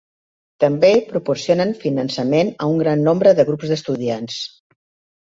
També proporcionen finançament a un gran nombre de grups d'estudiants.